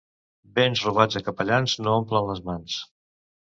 Béns robats a capellans no omplen les mans.